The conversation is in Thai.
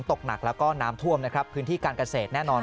ตกหนักแล้วก็น้ำท่วมนะครับพื้นที่การเกษตรแน่นอน